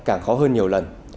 càng khó hơn nhiều lần